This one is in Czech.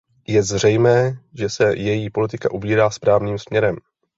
Je zřejmé, že se její politika ubírá správným směrem.